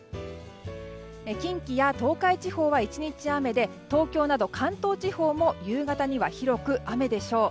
近畿や東海地方は１日雨で東京など関東地方も夕方には広く雨でしょう。